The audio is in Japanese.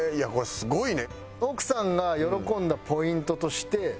すごいな。